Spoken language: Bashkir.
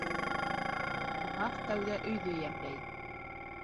Кунаҡ тәүҙә өйҙө йәмләй